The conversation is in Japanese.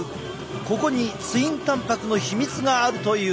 ここにツインたんぱくの秘密があるという。